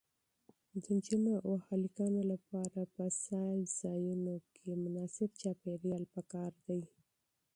د نجونو او هلکانو لپاره په تفریحي ځایونو کې مناسب چاپیریال پکار دی.